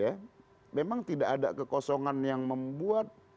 ya memang tidak ada kekosongan yang membuat